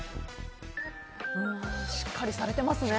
しっかりされてますね。